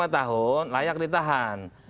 lima tahun layak ditahan